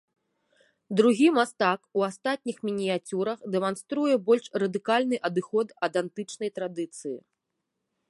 Другі мастак у астатніх мініяцюрах дэманструе больш радыкальны адыход ад антычнай традыцыі.